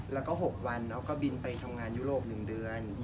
แล้วก็๖วันก็บินไปทำงานยุโรป๑เดือน